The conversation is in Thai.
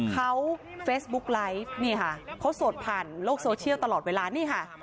เขาเฟซบุ๊กไลฟ์นี่ค่ะเขาโสดผ่านโลกโซเชียลตลอดเวลานี่ค่ะ